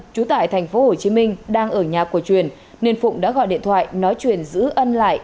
trú tại tp hcm đang ở nhà của truyền nên phụng đã gọi điện thoại nói truyền giữ ân lại